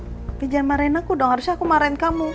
tapi jangan marahin aku dong harusnya aku marahin kamu